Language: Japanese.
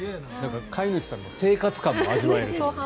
飼い主さんの生活感も味わえるっていう。